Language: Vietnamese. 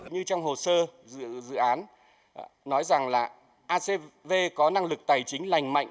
như trong hồ sơ dự án nói rằng là acv có năng lực tài chính lành mạnh